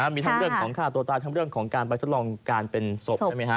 มีทั้งเรื่องของฆ่าตัวตายทั้งเรื่องของการไปทดลองการเป็นศพใช่ไหมฮะ